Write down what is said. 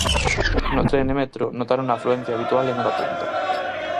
No tren e metro notaron a afluencia habitual en hora punta.